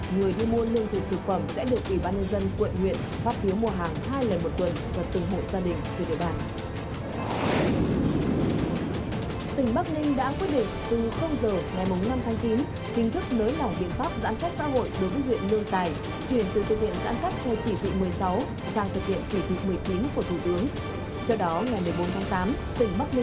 người đi mua lương thực thực phẩm sẽ được ủy ban nhân dân quận huyện phát thiếu mùa hàng hai lần một tuần và từng hộ gia đình sự điều bản